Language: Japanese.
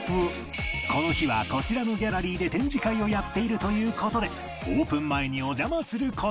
この日はこちらのギャラリーで展示会をやっているという事でオープン前にお邪魔する事に